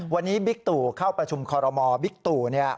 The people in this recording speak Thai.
วันนี้บิ๊กตู่เข้าประชุมคอรมอบิ๊กตู่